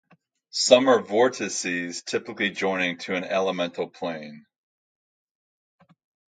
Some are vortices, typically joining to an Elemental Plane.